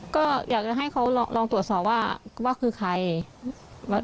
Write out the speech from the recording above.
ก็อยากจะให้เขาลองตรวจสอบว่าว่าคือใคร